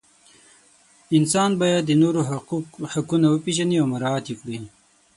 انسان باید د نورو حقونه وپیژني او مراعات کړي.